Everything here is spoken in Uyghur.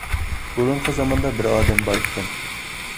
بۇرۇنقى زاماندا بىر ئادەم بار ئىكەن.